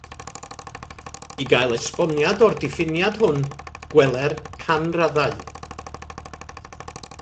I gael esboniad o'r diffiniad hwn, gweler canraddau.